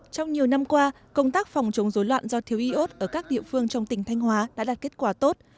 trong nhiều năm qua công tác phòng chống dối loạn do thiếu iốt ở các địa phương trong tỉnh thanh hóa đã đạt kết quả tốt